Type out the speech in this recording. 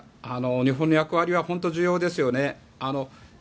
日本の役割は本当に重要ですよね。